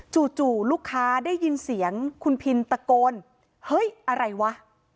จู่ลูกค้าได้ยินเสียงคุณพินตะโกนเฮ้ยอะไรวะ